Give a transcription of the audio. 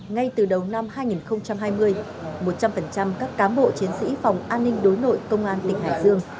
ngay từ đầu năm hai nghìn hai mươi một trăm linh các cám bộ chiến sĩ phòng an ninh đối nội công an tỉnh hải dương